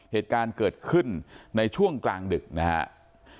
เหตุการณ์เกิดขึ้นในช่วงกลางดึกนะครับ